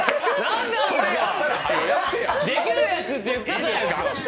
できるやつって言ったじゃないですか。